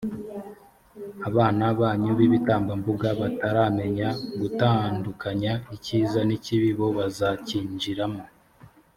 abana banyu b’ibitambambuga bataramenya gutandukanya icyiza n’ikibi bo bazakinjiramo.